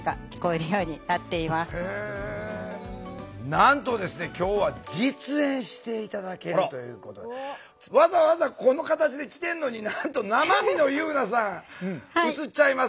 なんとですね今日は実演して頂けるということでわざわざこの形で来てんのになんと生身の夕菜さん映っちゃいます。